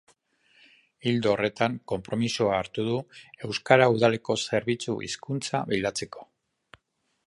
Ildo horretan konpromisoa hartu du euskara udaleko zerbitzu hizkuntza bilatzeko.